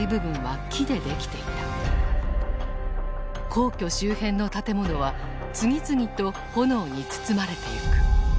皇居周辺の建物は次々と炎に包まれていく。